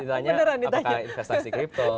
ditanya apakah investasi crypto